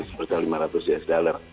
sebenarnya lima ratus usd